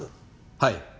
はい。